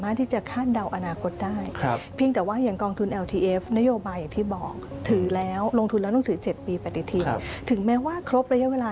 ถ้าบอกว่าหุ้นแพงแล้วหรือเปล่า